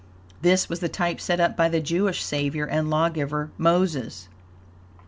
This was the type set up by the Jewish savior and lawgiver, Moses.